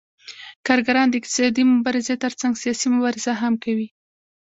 کارګران د اقتصادي مبارزې ترڅنګ سیاسي مبارزه هم کوي